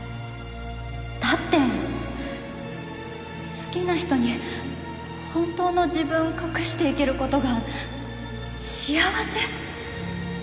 だって好きな人に本当の自分隠して生きることが幸せ？